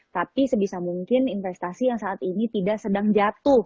tapi sebisa mungkin investasi yang saat ini tidak sedang jatuh